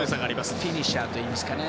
フィニッシャーといいますかね。